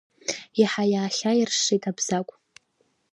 Иаҳа иаахьаиршшеит Абзагә.